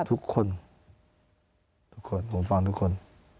ทุกคนผมฟังทุกคน